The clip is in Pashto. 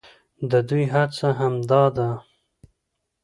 د دوى هڅه هم دا ده،